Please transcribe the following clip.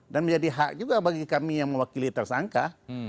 dan menjadi hak juga bagi kami yang mewakili tersangka